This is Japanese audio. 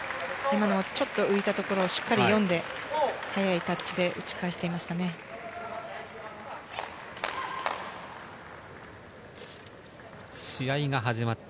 ちょっと浮いた所をしっかり読んで早いタッチで打ち返していますね。